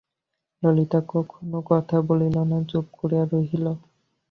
ললিতা কোনো কথা বলিল না, চুপ করিয়া রহিল।